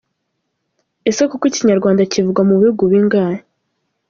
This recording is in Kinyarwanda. Ese koko ikinyarwanda kivugwa mubihugu bingahe?